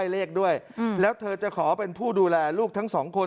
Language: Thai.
เลขด้วยแล้วเธอจะขอเป็นผู้ดูแลลูกทั้งสองคน